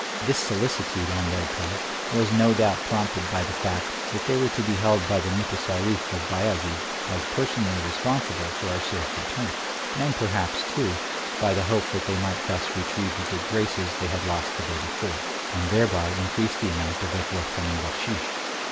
This solicitude on their part was no doubt prompted by the fact that they were to be held by the mutessarif of Bayazid 74 Across Asia on a Bicycle as personally responsible for our safe return, and perhaps, too, by the hope that they might thus retrieve the good graces they had lost the day before, and thereby increase the amount of the forthcoming baksheesh.